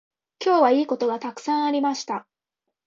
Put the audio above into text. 今日はいいことがたくさんありました。